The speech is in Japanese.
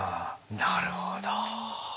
なるほど。